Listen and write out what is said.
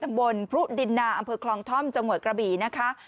บนพรุดินนาอำเภอคลองท่อมจังหวัดกระบี่นะคะ